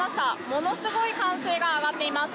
ものすごい歓声が上がっています。